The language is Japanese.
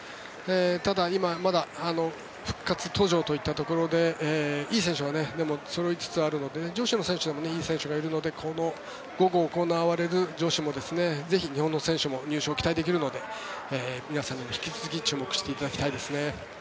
ただ、今はまだ復活途上といったところでいい選手はそろいつつあるので女子の選手でもいい選手がいるので午後に行われる女子もぜひ、日本の選手も入賞が期待できるので皆さんにも引き続き注目してほしいですね。